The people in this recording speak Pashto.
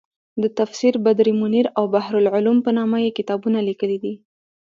د تفسیر بدرمنیر او بحرالعلوم په نامه یې کتابونه لیکلي دي.